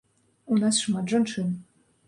У нас шмат жанчын.